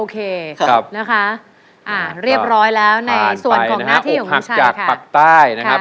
กลับมารักษาแค่ใจ